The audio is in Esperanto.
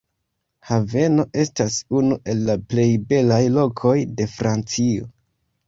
Haveno estas unu el la plej belaj lokoj de Francio.